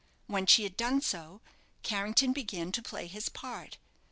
When she had done so, Carrington began to play his part.